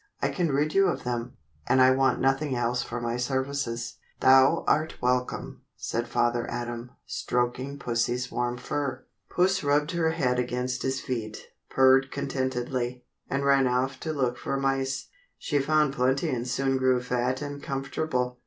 I can rid you of them, and I want nothing else for my services." "Thou art welcome," said Father Adam, stroking Pussie's warm fur. Puss rubbed her head against his feet, purred contentedly, and ran off to look for mice. She found plenty and soon grew fat and comfortable.